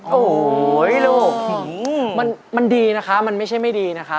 โอ้โหลูกมันดีนะคะมันไม่ใช่ไม่ดีนะคะ